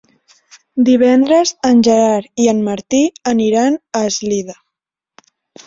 Divendres en Gerard i en Martí aniran a Eslida.